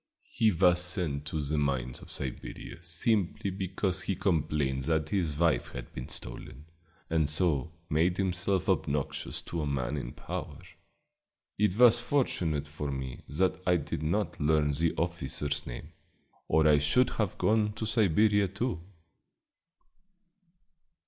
He was sent to the mines of Siberia simply because he complained that his wife had been stolen, and so made himself obnoxious to a man in power. It was fortunate for me that I did not learn the officer's name, or I should have gone to Siberia too."